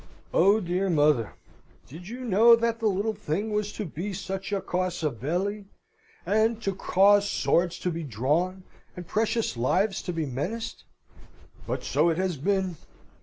Oh, dear mother! did you know that the little thing was to be such a causa belli, and to cause swords to be drawn, and precious lives to be menaced? But so it has been.